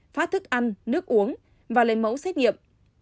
phát thức ăn nước uống và lấy mẫu xét nghiệm